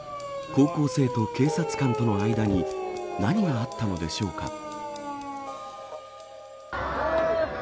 高校生と警察官との間に何があったのでしょうか。